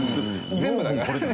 全部だから。